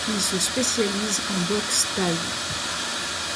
Il se spécialise en boxe thaï.